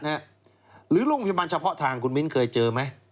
หรือโรงพยาบาลเฉพาะทางคุณมิ้นเคยเจอไหม